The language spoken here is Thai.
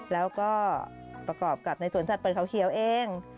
แล้วก็ประกอบกับในสวนสัตว์เปิดเขาเขียวเอง